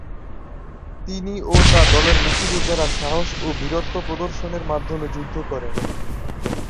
তিনি ও তার দলের মুক্তিযোদ্ধারা সাহস ও বীরত্ব প্রদর্শনের মাধ্যমে যুদ্ধ করেন।